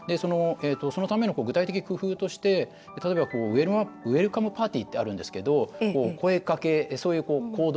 そのための具体的工夫として例えば、ウェルカムパーティー声かけ、そういう行動。